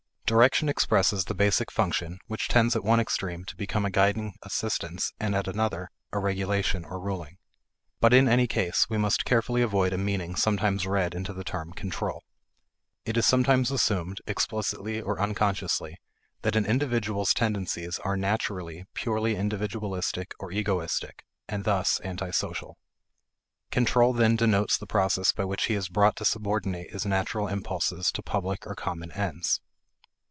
Direction expresses the basic function, which tends at one extreme to become a guiding assistance and at another, a regulation or ruling. But in any case, we must carefully avoid a meaning sometimes read into the term "control." It is sometimes assumed, explicitly or unconsciously, that an individual's tendencies are naturally purely individualistic or egoistic, and thus antisocial. Control then denotes the process by which he is brought to subordinate his natural impulses to public or common ends.